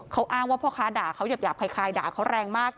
เขาอ้างว่าพ่อค้าด่าเขาหยาบคล้ายด่าเขาแรงมาก